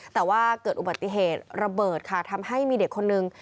แต่ว่าเกิดอุบัติเหตุระเบิดค่ะทำให้มีเด็กคนนึง